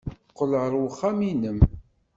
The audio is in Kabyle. Qqel ɣer uxxam-nnem.